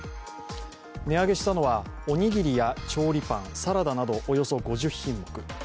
値上げしたのは、おにぎりや調理パン、サラダなどおよそ５０品目。